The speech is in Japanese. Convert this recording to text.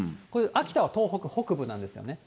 秋田は東北北部なんですよね。